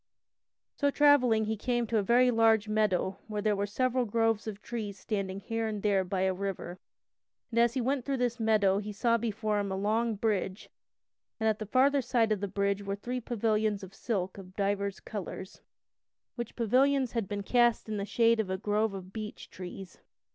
So travelling he came to a very large meadow where were several groves of trees standing here and there along by a river. And as he went through this meadow he saw before him a long bridge, and at the farther side of the bridge were three pavilions of silk of divers colors, which pavilions had been cast in the shade of a grove of beech trees.